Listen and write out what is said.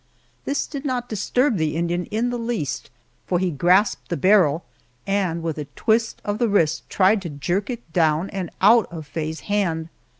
This did not disturb the Indian in the least, for he grasped the barrel and with a twist of the wrist tried to jerk it down and out of Faye's hand.